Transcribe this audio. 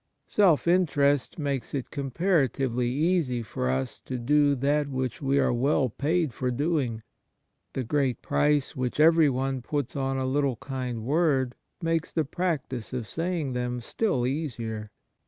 Self interest makes it comparatively easy for us to do that which we are well paid for doing. The great price which everyone puts on a little kind word makes the practice of saying them still easier.